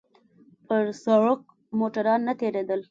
پر سړک موټران نه تېرېدل.